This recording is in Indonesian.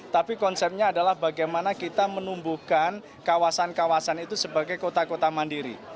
tapi konsepnya adalah bagaimana kita menumbuhkan kawasan kawasan itu sebagai kota kota mandiri